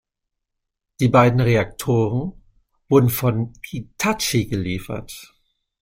Die beiden Reaktoren wurden von Hitachi geliefert.